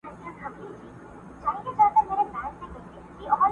دلته جنګونه کیږي!